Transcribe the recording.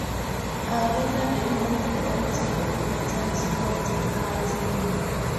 Arena then moved on to a full-time sports car team.